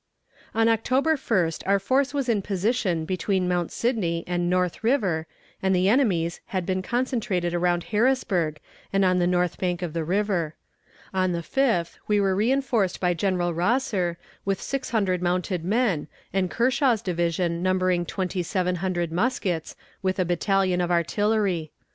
On October 1st our force was in position between Mount Sidney and North River, and the enemy's had been concentrated around Harrisonburg and on the north bank of the river. On the 5th we were reënforced by General Rosser with six hundred mounted men, and Kershaw's division, numbering twenty seven hundred muskets, with a battalion of artillery.